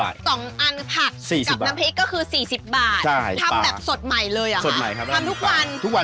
๒อันผัดกับน้ำพริกก็คือ๔๐บาททำแบบสดใหม่เลยหรือครับทำทุกวัน